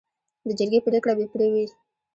د جرګې پریکړه بې پرې وي.